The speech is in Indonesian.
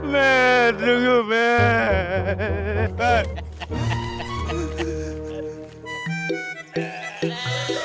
men tunggu men